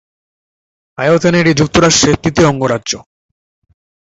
আয়তনে এটি যুক্তরাষ্ট্রের তৃতীয় অঙ্গরাজ্য।